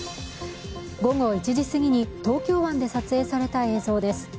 午後１時すぎに東京湾で撮影された映像です。